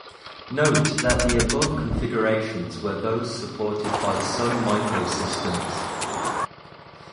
Note that the above configurations were those supported by Sun Microsystems.